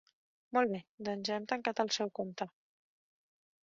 Molt bé, doncs ja hem tancat el seu compte.